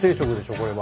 これは。